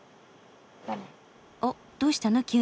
おっどうしたの？